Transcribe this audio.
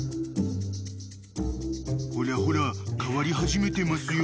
［ほらほら変わり始めてますよ］